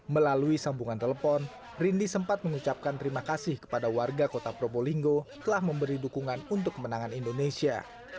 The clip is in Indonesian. melalui sambungan telepon rindy sempat mengucapkan terima kasih kepada warga kota probolinggo telah memberi dukungan untuk kemenangan indonesia